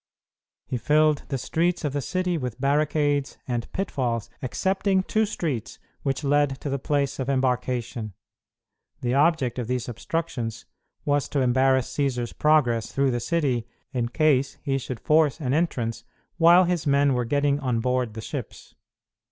He filled the streets of the city with barricades and pitfalls excepting two streets which led to the place of embarkation. The object of these obstructions was to embarrass Cćsar's progress through the city in case he should force an entrance while his men were getting on board the ships.